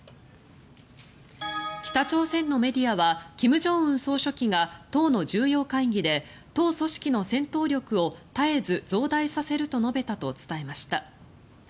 北朝鮮のメディアは金正恩総書記が党の重要会議で党組織の戦闘能力を絶えず増大させると述べたと伝えました。